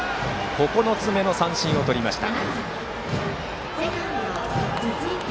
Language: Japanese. ９つ目の三振をとりました。